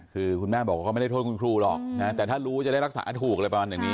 คือคุณแม่บอกว่าก็ไม่ได้โทษคุณครูหรอกนะแต่ถ้ารู้จะได้รักษาถูกอะไรประมาณอย่างนี้